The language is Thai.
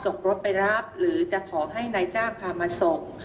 รถไปรับหรือจะขอให้นายจ้างพามาส่ง